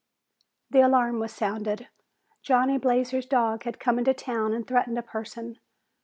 The alarm was sounded; Johnny Blazer's dog had come into town and threatened a person.